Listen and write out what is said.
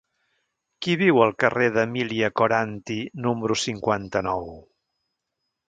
Qui viu al carrer d'Emília Coranty número cinquanta-nou?